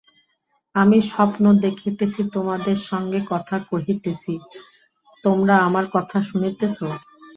আমি স্বপ্ন দেখিতেছি, তোমাদের সঙ্গে কথা কহিতেছি, তোমরা আমার কথা শুনিতেছ।